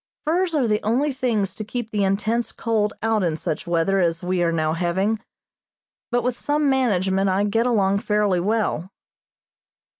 Furs are the only things to keep the intense cold out in such weather as we are now having, but with some management I get along fairly well.